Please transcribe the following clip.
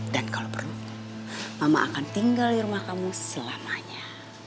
dan kalau perlu mama akan tinggal di rumah kamu selamanya